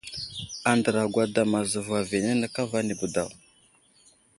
Andra gwadam azevo aviyenene kava anibo daw.